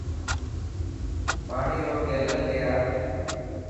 پاني رو گيلن لي آءِ.